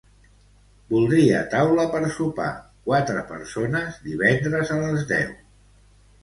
Voldria taula per sopar, quatre persones divendres a les deu.